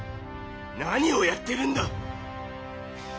何をやってるんだ！